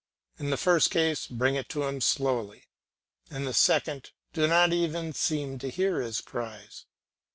In the first case bring it to him slowly; in the second do not even seem to hear his cries.